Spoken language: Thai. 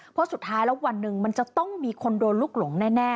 เพราะสุดท้ายแล้ววันหนึ่งมันจะต้องมีคนโดนลูกหลงแน่